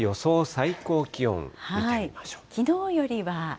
最高気温見てみましょう。